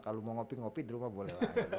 kalau mau ngopi ngopi di rumah boleh